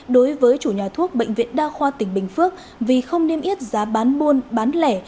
đối với chủ nhà thuốc bệnh viện đa khoa tỉnh bình phước vì không niêm yết giá bán buôn bán lẻ